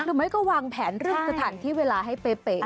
หรือไม่ก็วางแผนเรื่องสถานที่เวลาให้เป๊ะ